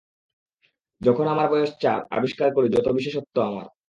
যখন আমার বয়স চার, আবিষ্কার করি যত বিশেষত্ব আমার।